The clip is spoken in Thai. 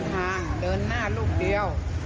บ้านที่นี่